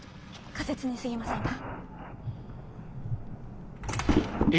仮説にすぎませんが。